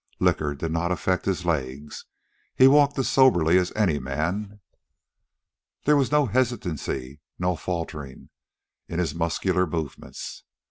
Liquor did not affect his legs. He walked as soberly as any man. There was no hesitancy, no faltering, in his muscular movements.